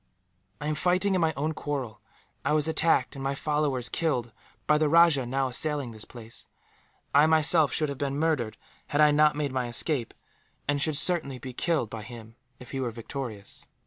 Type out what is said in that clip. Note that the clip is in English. "I am fighting in my own quarrel. I was attacked, and my followers killed, by the rajah now assailing this place. I, myself, should have been murdered, had I not made my escape; and should certainly be killed by him, if he were victorious.